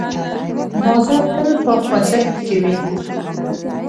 بازار تل په خوځښت کې وي.